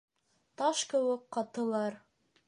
Таш кеүек ҡатылар.